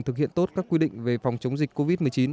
thực hiện tốt các quy định về phòng chống dịch covid một mươi chín